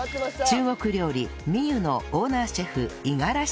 中国料理美虎のオーナーシェフ五十嵐さん